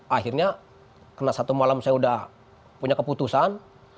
akhirnya karena satu malam saya sudah punya keputusan